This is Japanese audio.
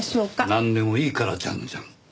なんでもいいからじゃんじゃん。